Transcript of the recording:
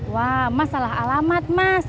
wah mas salah alamat mas